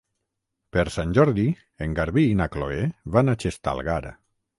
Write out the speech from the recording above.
Per Sant Jordi en Garbí i na Chloé van a Xestalgar.